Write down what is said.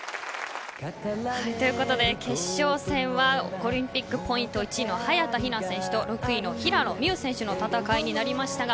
ということで決勝戦はオリンピックポイント１位の早田ひな選手と６位の平野美宇選手の戦いになりました。